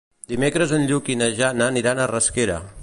Dimecres en Lluc i na Jana aniran a Rasquera.